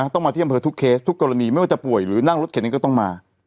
ต้องมาที่อำเภอทุกเคสทุกกรณีไม่ว่าจะป่วยหรือนั่งรถเข็นเองก็ต้องมา